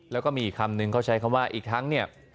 แล้วก็มีคำหนึ่งเขาใช้คำว่าอีกครั้ง